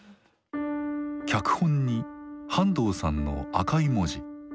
脚本に半藤さんの赤い文字。